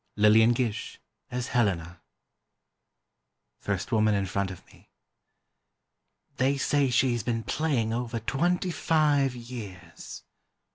Lillian Gish as Helena) First Woman in Front of Me: "They say she's been playing over twenty five years."